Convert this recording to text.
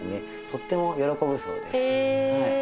とっても喜ぶそうです。え！